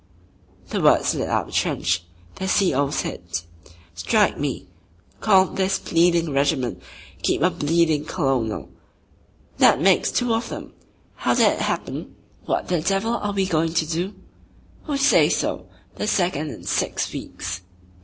The word slid up the trench: "The C.O.'s hit." "Strike me! Cawn't this bleedin' regiment keep a bleedin' Colonel ? That makes two of them!" "How did it happen?" "What the devil are we goin' to do?" "Who says so?" "The second in six weeks!"